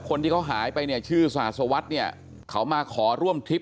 คนที่เขาหายไปเนี่ยชื่อศาสวัสดิ์เนี่ยเขามาขอร่วมทริป